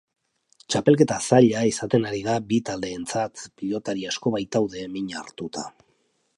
Txapelketa zaila izaten ari da bi taldeentzat, pilotari asko baitaude min hartuta.